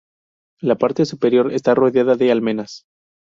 La parte superior está rodeada de almenas.